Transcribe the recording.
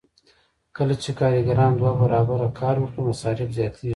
کله چې کارګران دوه برابره کار وکړي مصارف زیاتېږي